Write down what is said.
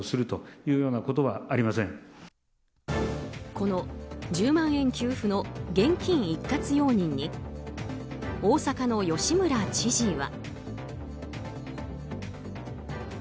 この１０万円給付の現金一括容認に大阪の吉村知事は。